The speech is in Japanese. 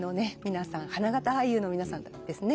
皆さん花形俳優の皆さんですね。